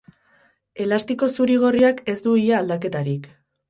Elastiko zuri-gorriak ez du ia aldaketarik.